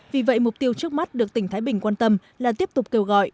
vì vậy mục tiêu trước mắt được tỉnh thái bình quan tâm là tiếp tục kêu gọi